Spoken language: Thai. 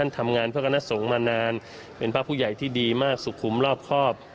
ทำงานพระคณะสงฆ์มานานเป็นพระผู้ใหญ่ที่ดีมากสุขุมรอบครอบ